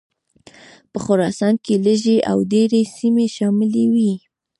په خراسان کې لږې او ډېرې سیمې شاملي وې.